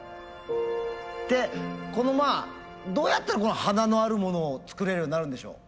どうやったらこの華のあるものを作れるようになるんでしょう？